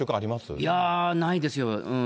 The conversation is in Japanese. いやー、ないですよ。